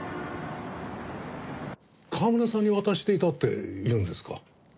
川村さんに渡していたって言うんですか？